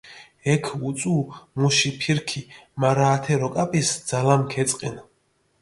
ექ უწუუ მუში ფირქი, მარა ათე როკაპისჷ ძალამქჷ ეწყინჷ.